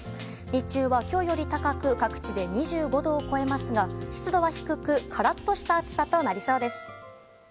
日中は今日より高く各地で２５度を超えますが湿度は低くカラッとした暑さとなりそうです。